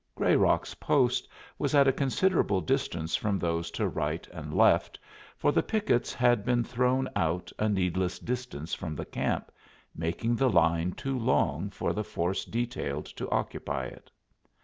Grayrock's post was at a considerable distance from those to right and left, for the pickets had been thrown out a needless distance from the camp, making the line too long for the force detailed to occupy it.